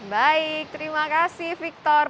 baik terima kasih victor